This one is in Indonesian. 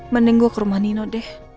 mending gue ke rumah nino deh